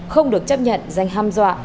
không được chấp nhận danh ham dọa